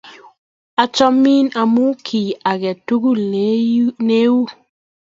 Achamin amu kiy ake tukul ne iu.